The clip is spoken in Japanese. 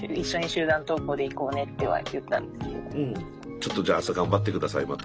ちょっとじゃあ朝頑張って下さいまた。